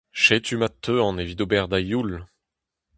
Setu ma teuan evit ober da youl !